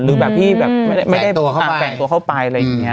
หรือแบบที่ไม่ได้แปลงตัวเข้าไปอะไรอย่างนี้